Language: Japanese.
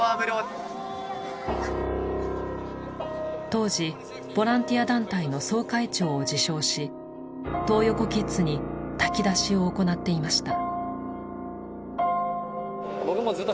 当時ボランティア団体の総会長を自称しトー横キッズに炊き出しを行っていました。